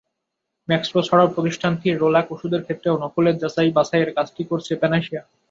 Maxpro ছাড়াও প্রতিষ্ঠানটির রোল্যাক ওষুধের ক্ষেত্রেও নকলের যাচাই-বাছাইয়ের কাজটি করছে প্যানাসিয়া।